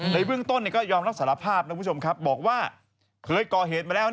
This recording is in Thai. ในเบื้องต้นก็ยอมรับสารภาพบอกว่าเคยกลอเหตุมาแล้ว๒๓ครั้ง